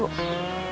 aduh mah bro